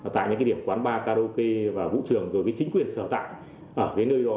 tại những cái điểm quán ba karaoke và vũ trường rồi cái chính quyền sở tạng ở cái nơi đó